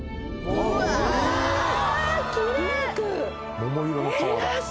桃色の川だ。